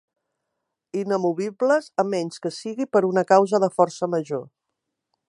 Inamovibles a menys que sigui per una causa de força major.